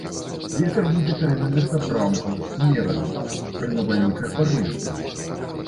Вецер будзе пераменных напрамкаў умераны, пры навальніцах парывісты.